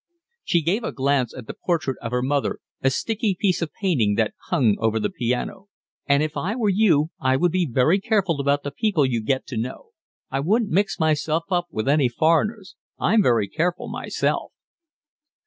She gave a glance at the portrait of her mother, a sticky piece of painting that hung over the piano. "And if I were you, I would be very careful about the people you get to know. I wouldn't mix myself up with any foreigners. I'm very careful myself."